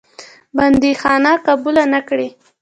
بندیخانه قبوله نه کړې.